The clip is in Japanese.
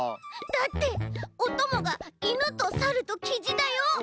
だっておともがイヌとサルとキジだよ？